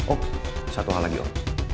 oh satu hal lagi oh